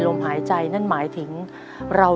ปิดเท่าไหร่ก็ได้ลงท้ายด้วย๐เนาะ